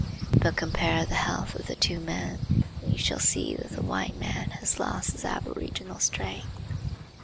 But compare the health of the two men and you shall see that the white man has lost his aboriginal strength.